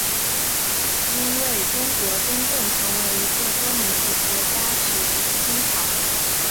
因为中国真正成为一个多民族国家始于清朝。